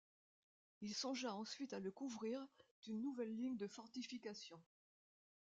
Il songea ensuite à le couvrir d’une nouvelle ligne de fortifications.